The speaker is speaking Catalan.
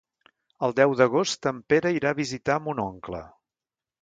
El deu d'agost en Pere irà a visitar mon oncle.